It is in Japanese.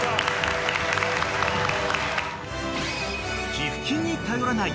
［寄付金に頼らない］